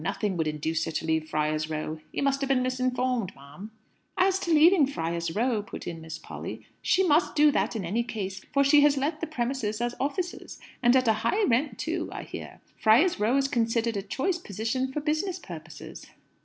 Nothing would induce her to leave Friar's Row. You must have been misinformed, ma'am." "As to leaving Friar's Row," put in Miss Polly, "she must do that in any case; for she has let the premises as offices; and at a high rent, too, I hear. Friar's Row is considered a choice position for business purposes."